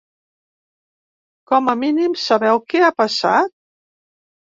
Com a mínim, sabeu què ha passat?